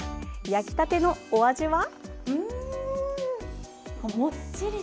焼きたてのお味は？